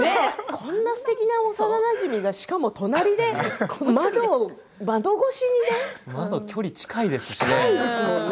こんなすてきな幼なじみがしかも隣で、窓越しでね。